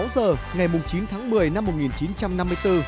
một mươi sáu giờ ngày chín tháng một mươi năm một nghìn chín trăm năm mươi bốn